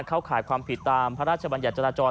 เข้าขายความผิดตามพระราชบัญญาณจราจร